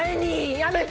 やめて！